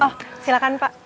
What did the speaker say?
oh silahkan pak